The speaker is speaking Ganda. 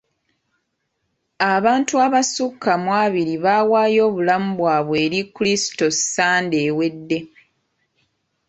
Abantu abasukka mu abiri baawaayo obulamu bwabwe eri Kristo Sande ewedde.